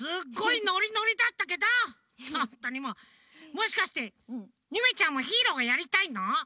もしかしてゆめちゃんもヒーローがやりたいの？